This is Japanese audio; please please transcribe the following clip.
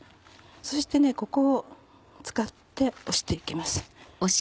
そしてここを使って押していきます。